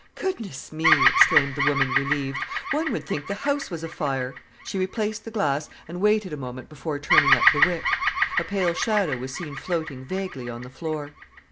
"Goodness me!" exclaimed the woman, relieved. "One would think the house was afire." She replaced the glass and waited a moment before turning up the wick. A pale shadow was seen floating vaguely on the floor.